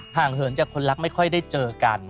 เหินจากคนรักไม่ค่อยได้เจอกัน